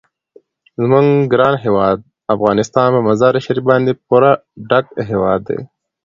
زموږ ګران هیواد افغانستان په مزارشریف باندې پوره ډک هیواد دی.